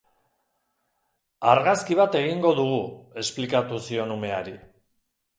Argazki bat egingo dugu, esplikatu zion umeari.